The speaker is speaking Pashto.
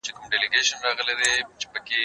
هغه وويل چي موسيقي ګټوره ده!.